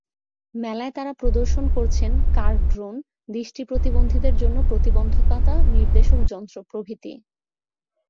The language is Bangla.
মেলায় তাঁরা প্রদর্শন করছেন কার ড্রোন, দৃষ্টিপ্রতিবন্ধীদের জন্য প্রতিবন্ধকতা নির্দেশক যন্ত্র প্রভৃতি।